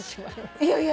いやいや。